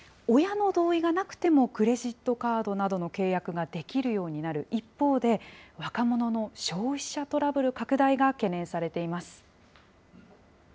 親の同意がなくてもクレジットカードなどの契約ができるようになる一方で、若者の消費者トラブル拡大が懸念されています。